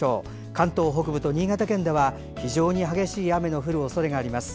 関東北部と新潟県では非常に激しい雨の降る恐れがあります。